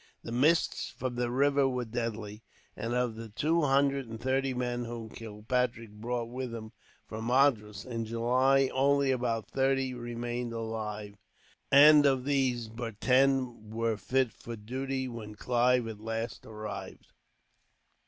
The mists from the river were deadly, and of the two hundred and thirty men whom Kilpatrick brought with him from Madras, in July, only about thirty remained alive; and of these, but ten were fit for duty when Clive, at last, arrived.